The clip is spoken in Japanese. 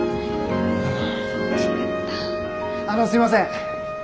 あのすいません。